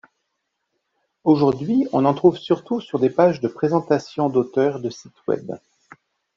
Aujourd'hui, on en trouve surtout sur des pages de présentation d'auteurs de sites web.